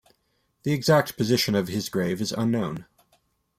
The exact position of his grave is unknown.